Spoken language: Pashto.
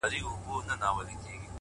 o مساپر د خېر پوښته، نه د ورځو.